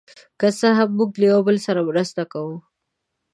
که څه هم، موږ له یو بل سره مرسته کوو.